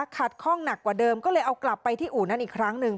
คล่องหนักกว่าเดิมก็เลยเอากลับไปที่อู่นั้นอีกครั้งหนึ่ง